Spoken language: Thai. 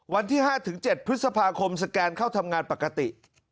วันที่๕๗พฤษภาคมสแกนเข้าทำงานปกติ